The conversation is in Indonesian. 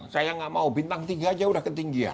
saya nggak mau bintang tiga aja udah ketinggian